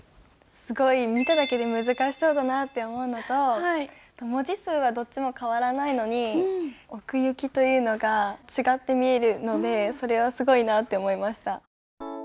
すごい見ただけで難しそうだなって思うのと文字数はどっちも変わらないのに奥行きというのが違って見えるのでそれはすごいなって思いました。